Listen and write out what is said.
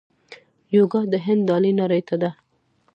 یوګا د هند ډالۍ نړۍ ته ده.